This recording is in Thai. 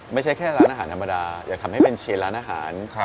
ไม่ใช่แค่ร้านอาหารธรรมดาอย่าทำให้เป็นเชนร้านอาหาร